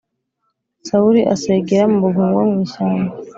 Sawuli asegera mu buvumo bwo mw’ ishyamba